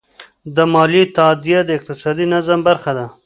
د مالیې تادیه د اقتصادي نظم برخه ده.